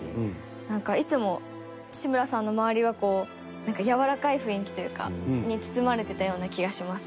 なんかいつも志村さんの周りはこうなんかやわらかい雰囲気というか。に包まれてたような気がしますね。